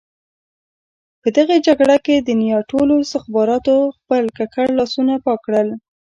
په دغه جګړه کې د دنیا ټولو استخباراتو خپل ککړ لاسونه پاک کړل.